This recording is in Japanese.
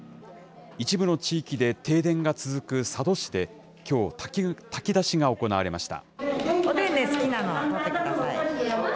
一部の地域で停電が続く佐渡市で、きょう、炊き出しが行われました。